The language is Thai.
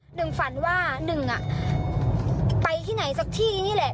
หนึ่งฝันว่าหนึ่งไปที่ไหนสักที่นี่แหละ